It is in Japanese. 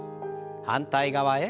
反対側へ。